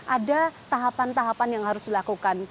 ada tahapan tahapan yang harus dilakukan